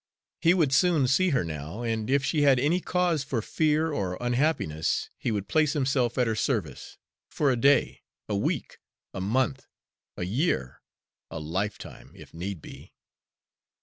He would soon see her now, and if she had any cause for fear or unhappiness, he would place himself at her service for a day, a week, a month, a year, a lifetime, if need be.